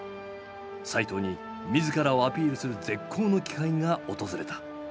齋藤に自らをアピールする絶好の機会が訪れた。